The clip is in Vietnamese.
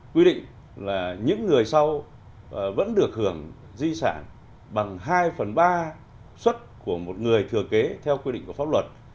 quy định là những người sau vẫn được hưởng duy sản bằng hai phần ba xuất của một người thừa kế theo quy định của pháp luật